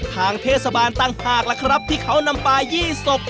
ทางเทศบาลต่างหากล่ะครับที่เขานำปลายี่ศพ